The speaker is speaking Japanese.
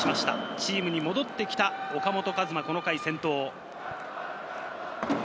チームに戻ってきた岡本和真がこの回、先頭。